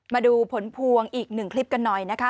มาดูผลพวงอีกหนึ่งคลิปกันหน่อยนะคะ